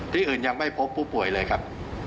ที่อื่นยังไม่พบผู้ป่วยเลยครับ